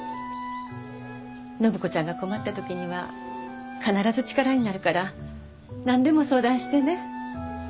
暢子ちゃんが困った時には必ず力になるから何でも相談してね。